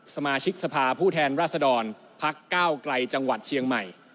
สมาชิกสภาผู้แทนราษดรพักเก้าไกลจังหวัดเชียงใหม่